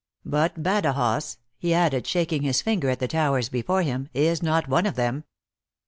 But Badajoz," he added, shaking his finger at the towers before him, u is not one of them.